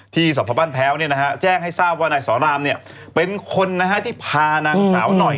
สพบ้านแพ้วแจ้งให้ทราบว่านายสอนรามเป็นคนที่พานางสาวหน่อย